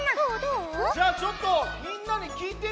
じゃあちょっとみんなにきいてみようかな。